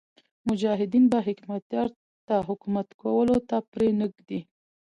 مجاهدین به حکمتیار ته حکومت کولو ته پرې نه ږدي.